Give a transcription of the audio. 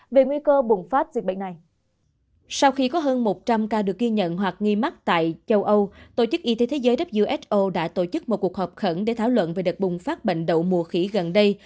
who đã tổ chức một cuộc họp khẩn để thảo luận về đợt bùng phát bệnh đậu mùa khỉ gần đây